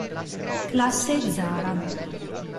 Classe Zara